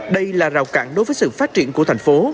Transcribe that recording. đây là rào cản đối với sự phát triển của thành phố